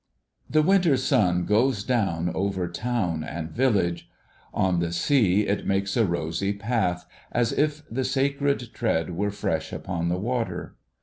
The winter sun goes down over town and village ; on the sea it makes a rosy path, as if the Sacred tread were fresh upon the water.